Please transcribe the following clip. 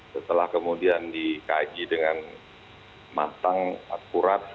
setelah kemudian dikaji dengan matang akurat